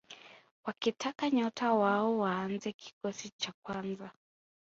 wakitaka nyota wao waanze kikosi cha kwanza